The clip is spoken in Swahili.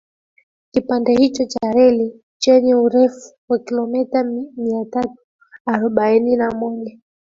Kipande hicho cha reli chenye urefu wa kilometa mia tatu arobaini na moja